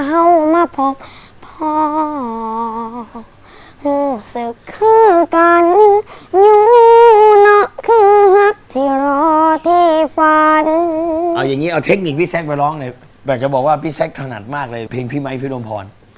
เอาอย่างงี้เอาเทคนิคพี่แซ็กไปร้องเลยแปลกจะบอกว่าพี่แซ็กถนัดมากเลยเพลงพี่ไมค์พี่ดมพร